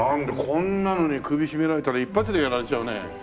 こんなのに首絞められたら一発でやられちゃうね。